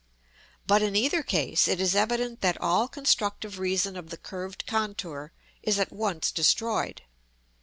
But, in either case, it is evident that all constructive reason of the curved contour is at once destroyed.